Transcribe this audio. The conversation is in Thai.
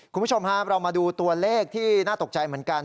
คุณผู้ชมครับเรามาดูตัวเลขที่น่าตกใจเหมือนกัน